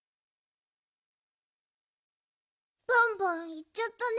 バンバンいっちゃったね。